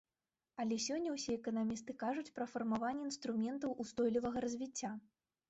Але сёння ўсе эканамісты кажуць пра фарміраванне інструментаў устойлівага развіцця.